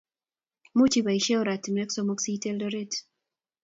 much iboisien ortinwek somok si iit Eldoret